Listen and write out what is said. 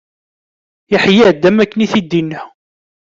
Iḥya-d, am wakken i t-id-inna.